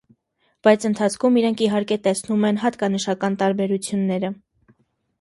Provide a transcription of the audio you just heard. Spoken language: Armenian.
Բայց ընթացքում նրանք իհարկե տեսնում են հատկանշական տարբերությունները։